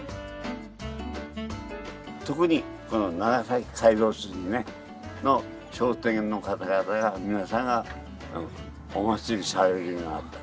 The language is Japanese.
特にこの長崎街道筋の商店の方々が皆さんがお祀りされるようになった。